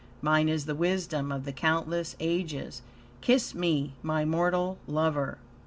Mine is the wisdom of the countless ages. Kiss me, my mortal lover."